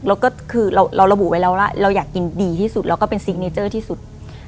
แล้วก็คือเราระบุไว้แล้วว่าเราอยากกินดีที่สุดแล้วก็เป็นซิกเนเจอร์ที่สุด